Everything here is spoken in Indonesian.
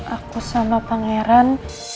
aku sama pangeran